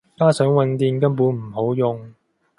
加上混電根本唔好用